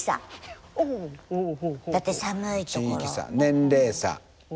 だって寒いところ。